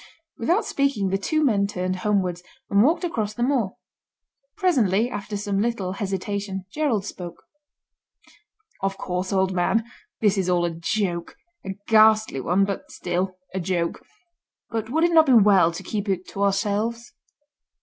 Without speaking the two men turned homewards, and walked across the moor. Presently, after some little hesitation, Gerald spoke. "Of course, old man, this is all a joke; a ghastly one, but still a joke. But would it not be well to keep it to ourselves?"